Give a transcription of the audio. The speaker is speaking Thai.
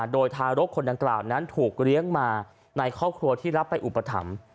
โดยทารกคนดังกล่าวนั้นถูกเลี้ยงมาในครอบครัวที่รับไปอุปถัมภ์